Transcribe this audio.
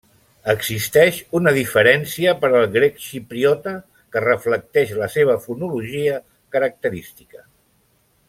Existeix una diferència per al grec xipriota que reflecteix la seva fonologia característica.